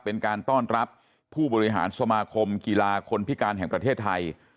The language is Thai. เป็นการต้อนรับผู้บริหารสมาคมกีฬาคนพิการแห่งประเทศไทย